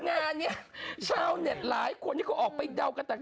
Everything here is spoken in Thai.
งานนี้ชาวเน็ตหลายคนที่เขาออกไปเดากันต่าง